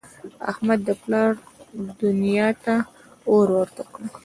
احمد د پلار دونیا ته اور ورته کړ.